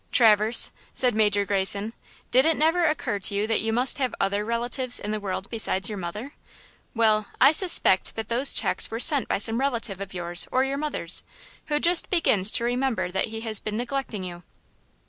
"Traverse," said Major Greyson, "did it never occur to you that you must have other relatives in the world besides your mother? Well, I suspect that those checks were sent by some relative of yours or your mother's, who just begins to remember that he has been neglecting you."